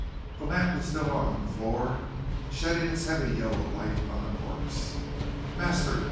The lamp was still on the floor shedding its heavy yellow light on the corpse. "Master!"